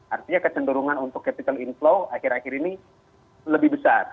artinya kecenderungan untuk capital inflow akhir akhir ini lebih besar